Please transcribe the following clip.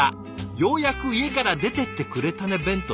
「ようやく家から出てってくれたね弁当」。